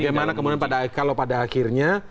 bagaimana kemudian pada akhirnya